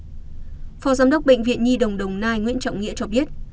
phó giám đốc bệnh viện nhi đồng đồng nai nguyễn trọng nghĩa cho biết